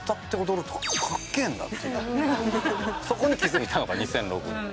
そこに気づいたのが２００６年。